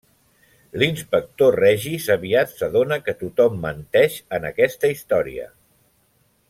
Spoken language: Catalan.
L'inspector Regis aviat s'adona que tothom menteix en aquesta història.